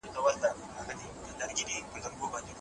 د جګړې جوت خوب نور په حقیقت نه بدلېږي.